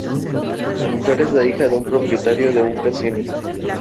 La mujer es la hija de un propietario de un casino.